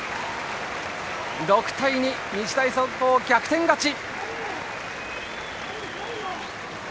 ６対２、日大三高逆転勝ち！